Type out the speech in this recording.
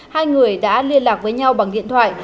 hai người đã liên lạc với nhau bằng điện thoại